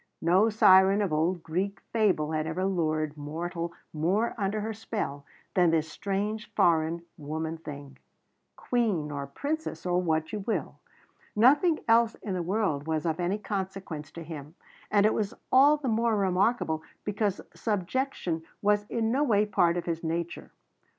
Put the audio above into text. No siren of old Greek fable had ever lured mortal more under her spell than this strange foreign woman thing Queen or Princess or what you will. Nothing else in the world was of any consequence to him and it was all the more remarkable because subjection was in no way part of his nature.